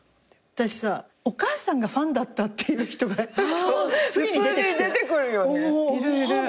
私さお母さんがファンだったっていう人がついに出てきて。いるいる。